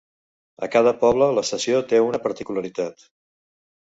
A cada poble l'estació té una particularitat.